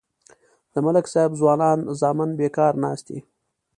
د ملک صاحب ځوانان زامن بیکار ناست دي.